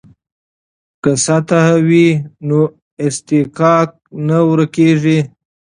که سطح وي نو اصطکاک نه ورکیږي.